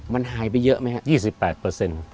มันหายไปเยอะไหมครับ